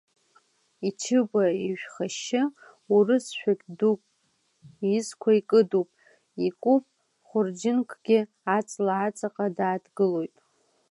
Ичыба ишәхашьшьы, урыс шәақь дук изқәа икыдуп, икуп хәырџьынкгьы, аҵла аҵаҟа дааҭгылоит.